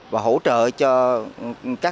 và hỗ trợ cho các nước